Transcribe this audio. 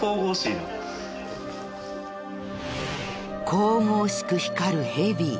神々しく光るヘビ。